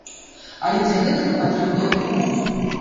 Але для гэтага патрэбныя ўмовы.